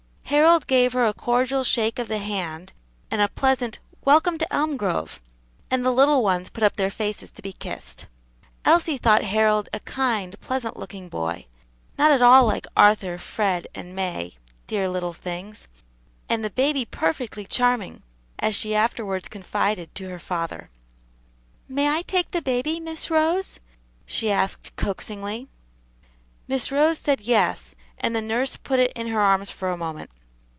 Harold gave her a cordial shake of the hand, and a pleasant "Welcome to Elmgrove," and the little ones put up their faces to be kissed. Elsie thought Harold a kind, pleasant looking boy, not at all like Arthur, Fred and May, dear little things, and the baby perfectly charming, as she afterwards confided to her father. "May I take the baby, Miss Rose?" she asked coaxingly. Miss Rose said "Yes," and the nurse put it in her arms for a moment.